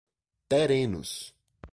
Terenos